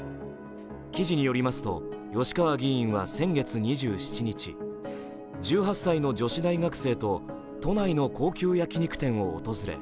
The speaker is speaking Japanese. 記事によりますと吉川議員は先月２７日１８歳の女子大学生と都内の高級焼き肉店を訪れ